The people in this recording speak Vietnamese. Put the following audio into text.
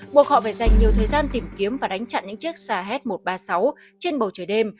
buộc họ phải dành nhiều thời gian tìm kiếm và đánh chặn những chiếc sah một trăm ba mươi sáu trên bầu trời đêm